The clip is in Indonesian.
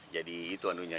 jadi itu anunya